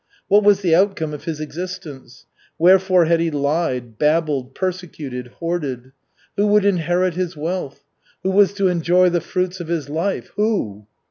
What was the outcome of his existence? Wherefore had he lied, babbled, persecuted, hoarded? Who would inherit his wealth? Who was to enjoy the fruits of his life? Who?